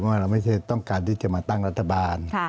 ว่าเราไม่ใช่ต้องการที่จะมาตั้งรัฐบาล